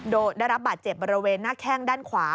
ได้รับบาดเจ็บบริเวณหน้าแข้งด้านขวา